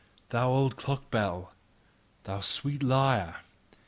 Thou old clock bell, thou sweet lyre!